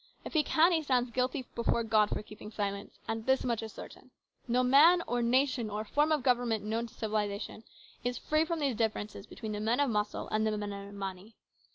If he can, he stands guilty before God for keeping silent. And this much is certain : no man or nation or form of government known to civilisation is free from these differences between the men of muscle and the men of money.